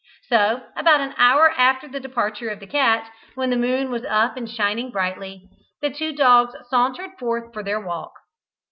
So, about an hour after the departure of the cat, when the moon was up and shining brightly, the two dogs sauntered forth for their walk.